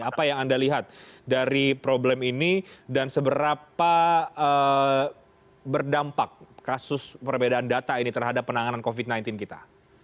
apa yang anda lihat dari problem ini dan seberapa berdampak kasus perbedaan data ini terhadap penanganan covid sembilan belas kita